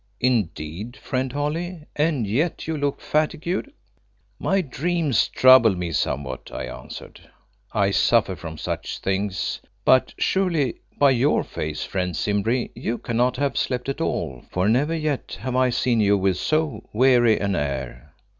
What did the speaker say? "Indeed, friend Holly, and yet you look fatigued." "My dreams troubled me somewhat," I answered. "I suffer from such things. But surely by your face, friend Simbri, you cannot have slept at all, for never yet have I seen you with so weary an air."